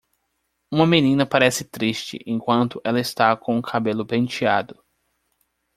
Uma menina parece triste enquanto ela está com o cabelo penteado.